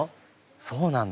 そうなんだ。